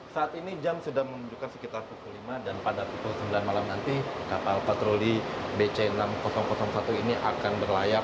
saat ini jam sudah menunjukkan sekitar pukul lima dan pada pukul sembilan malam nanti kapal patroli bc enam ribu satu ini akan berlayar